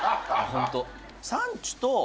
ホント。